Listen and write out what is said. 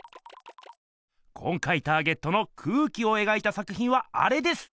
今回ターゲットの空気を描いた作ひんはあれです！